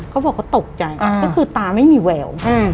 เขาบอกเขาตกใจก็คือตาไม่มีแวว